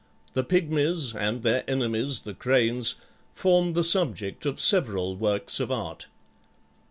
The Pygmies and their enemies the Cranes form the subject of several works of art.